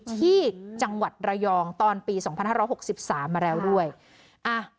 ที่จังหวัดระยองตอนปีสองพันห้าร้อยหกสิบสามมาแล้วด้วยอ่ะ